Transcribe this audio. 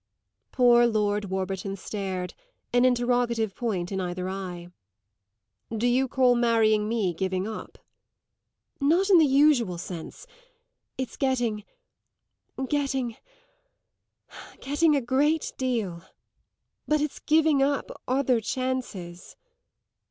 Poor Lord Warburton stared, an interrogative point in either eye. "Do you call marrying me giving up?" "Not in the usual sense. It's getting getting getting a great deal. But it's giving up other chances."